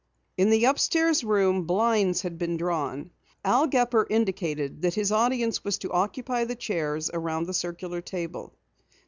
In the upstairs room blinds had been drawn. Al Gepper indicated that his audience was to occupy the chairs around the circular table.